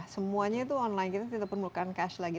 semuanya itu online kita tidak perlu ke cash lagi